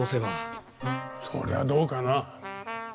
それはどうかな？